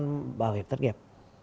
cho đến bảo hiểm tất nghiệp